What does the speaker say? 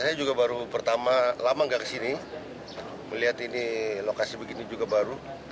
saya juga baru pertama lama nggak kesini melihat ini lokasi begini juga baru